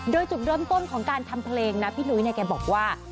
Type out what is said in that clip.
โดยจุดเริ่มต้นของการทำเพลงพี่หนุ๊ยเขาบอกว่า